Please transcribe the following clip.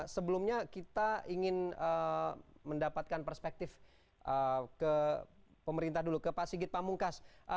sebelumnya kita ingin mendapatkan perspektif ke pemerintah dulu ke pak sigit pamungkas